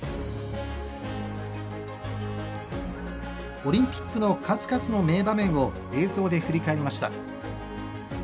オリンピックの数々の名場面を映像で振り返りました。